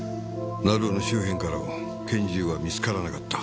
成尾の周辺からも拳銃は見つからなかった。